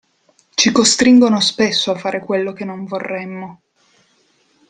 Ci costringono spesso a fare quello che non vorremmo.